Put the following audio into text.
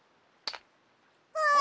わあ！